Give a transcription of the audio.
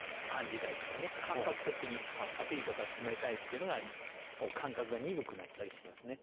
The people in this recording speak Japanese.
感覚的に熱いとか冷たいっていうのが感覚が鈍くなったりしますね。